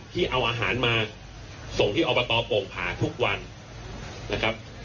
ที่เอาอาหารมาส่งที่อบตโป่งผาทุกวันนะครับ